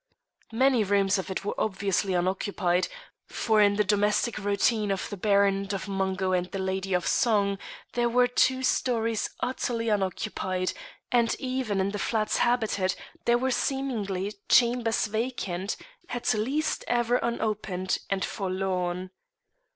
Many rooms of it were obviously unoccupied, for in the domestic routine of the Baron and of Mungo and the lady of song there were two storeys utterly unoccupied, and even in the flats habited there were seemingly chambers vacant, at least ever unopened and forlorn.